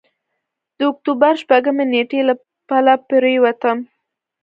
د اکتوبر شپږمې نېټې له پله پورېوتم.